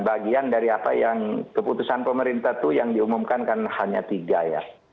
bagian dari apa yang keputusan pemerintah itu yang diumumkan kan hanya tiga ya